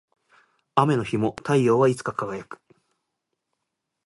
雨の日も太陽はいつか輝く